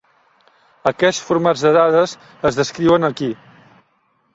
Aquests formats de dades es descriuen aquí.